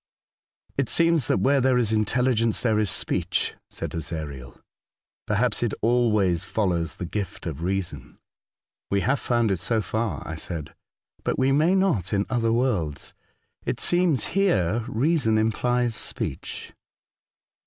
" It seems that where there is intelligence there is speech," said Ezariel. '' Perhaps it always follows the gift of reason." *' We have found it so far," I said, ^'but we may not in other w^orlds. It seems here reason implies speech."